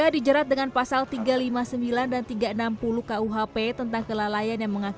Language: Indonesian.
dia tidak berhamburan